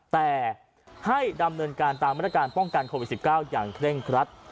แต่ให้ดำเนินการตามมาตรการป้องกันโควิด๑๙อย่างเคร่งครัด